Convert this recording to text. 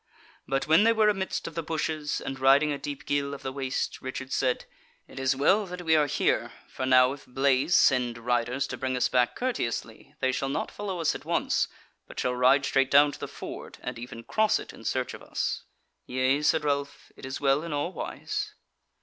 But when they were amidst of the bushes and riding a deep ghyll of the waste, Richard said: "It is well that we are here: for now if Blaise send riders to bring us back courteously, they shall not follow us at once, but shall ride straight down to the ford, and even cross it in search of us." "Yea," said Ralph, "it is well in all wise."